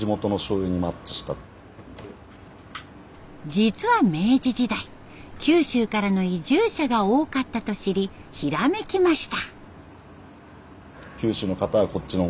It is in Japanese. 実は明治時代九州からの移住者が多かったと知りひらめきました。